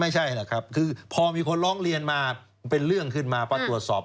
ไม่ใช่แหละครับคือพอมีคนร้องเรียนมาเป็นเรื่องขึ้นมาพอตรวจสอบ